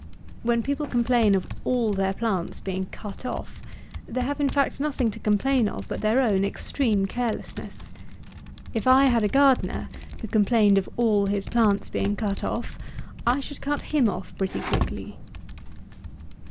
When people complain of all their plants being "cut off," they have, in fact nothing to complain of but their own extreme carelessness. If I had a gardener who complained of all his plants being cut off, I should cut him off pretty quickly.